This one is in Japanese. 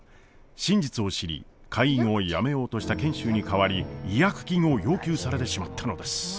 真実を知り会員をやめようとした賢秀に代わり違約金を要求されてしまったのです。